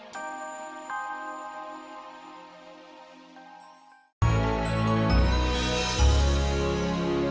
bumayang bentar ya bu